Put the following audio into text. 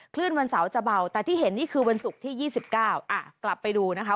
คลื่นวันเสาร์จะเบาแต่ที่เห็นนี่คือวันศุกร์ที่๒๙กลับไปดูนะคะ